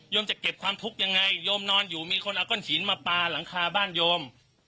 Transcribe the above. จะเก็บความทุกข์ยังไงโยมนอนอยู่มีคนเอาก้อนหินมาปลาหลังคาบ้านโยม